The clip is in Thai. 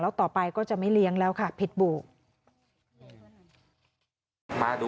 แล้วต่อไปก็จะไม่เลี้ยงแล้วค่ะผิดบุก